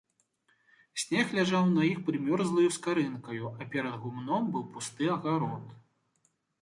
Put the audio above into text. Снег ляжаў на іх прымёрзлаю скарынкаю, а перад гумном быў пусты агарод.